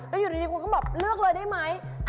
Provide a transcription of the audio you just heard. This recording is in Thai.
แล้วอยู่ดีคุณก็บอกเลือกเลยได้ไหม